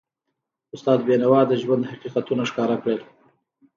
استاد بینوا د ژوند حقیقتونه ښکاره کړل.